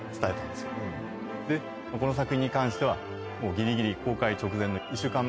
でこの作品に関してはギリギリ公開直前の。